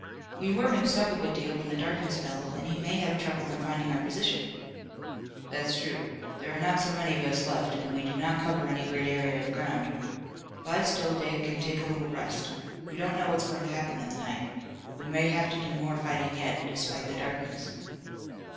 "We were mixed up a good deal when the darkness fell, and he may have trouble in finding our position." "That's true. There are not so many of us left, and we do not cover any great area of ground. Lie still, Dick, and take a little rest. We don't know what's going to happen in the night. We may have to do more fighting yet, despite the darkness."